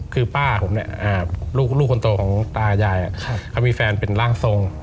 คือป้าผมเนี่ยลูกคนโตของตายายเขามีแฟนเป็นร่างทรง